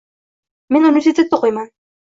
Men universitetda o'qiyman.